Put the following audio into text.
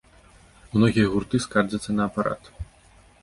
Многія гурты скардзяцца на апарат.